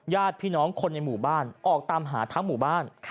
ญาติพี่น้องคนในหมู่บ้านออกตามหาทั้งหมู่บ้าน